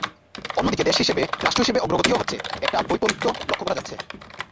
অন্যদিকে দেশ হিসেবে, রাষ্ট্র হিসেবে অগ্রগতিও হচ্ছে—একটা বৈপরীত্য লক্ষ করা যাচ্ছে।